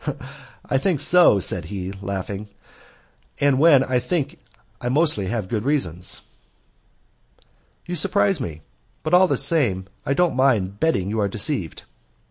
"I think so," said he, laughing, "and when I think I mostly have good reasons." "You surprise me; but all the same I don't mind betting you are deceived."